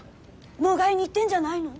迎えに行ってんじゃないの？